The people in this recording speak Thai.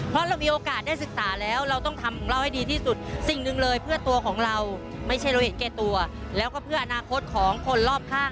เพราะเรามีโอกาสได้ศึกษาแล้วเราต้องทำของเราให้ดีที่สุดสิ่งหนึ่งเลยเพื่อตัวของเราไม่ใช่เราเห็นแก่ตัวแล้วก็เพื่ออนาคตของคนรอบข้าง